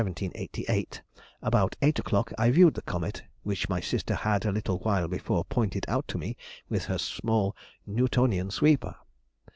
_—About 8 o'clock I viewed the comet which my sister had a little while before pointed out to me with her small Newtonian sweeper.